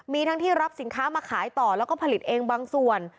มีทั้งที่รับสินค้ามาขายต่อแล้วก็ผลิตเองบางส่วน